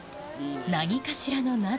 何かしらの鍋。